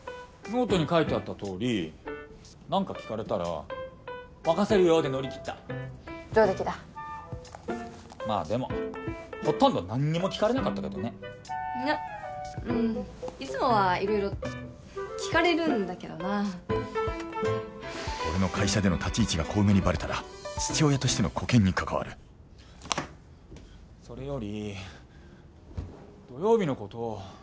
ノートに書いてあったとおり何か聞かれたら任せるよで乗り切った上出来だまあでもほとんど何も聞かれなかったけどねいやうんいつもは色々聞かれるんだけどなあ俺の会社での立ち位置が小梅にバレたら父親としての沽券に関わるそれより土曜日のこと